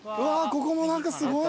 ここも何かすごい。